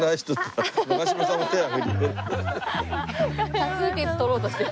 多数決採ろうとしてる。